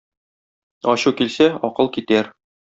Ачу килсә, акыл китәр.